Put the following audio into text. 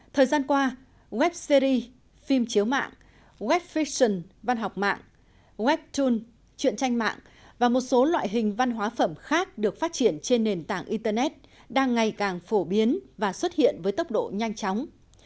thời gian qua web series phim chiếu mạng web fition văn học mạng webon truyện tranh mạng và một số loại hình văn hóa phẩm khác được phát triển trên nền tảng internet đang ngày càng phổ biến và xuất hiện với tốc độ nhanh chóng